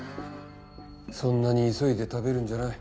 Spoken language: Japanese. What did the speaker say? そんなに急いで食べるんじゃない。